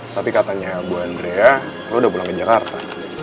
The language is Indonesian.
tapi katanya bu andrea lo udah pulang ke jakarta